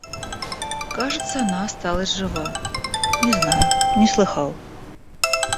Кажется, она осталась жива, — не знаю, не слыхал.